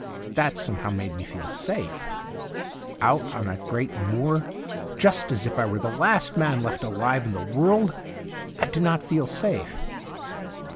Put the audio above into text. That somehow made me feel safe. Out on that great moor — ^just as if I were the last man left alive in the world — I do not feel safe.